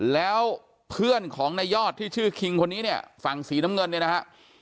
แล้วเพื่อนของนายยอดที่ชื่อคิงคนนี้เนี่ยฝั่งสีน้ำเงินเนี่ยนะฮะ